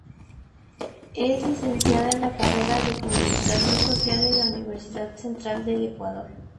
Es Licenciada en la carrera de Comunicación Social de la Universidad Central del Ecuador.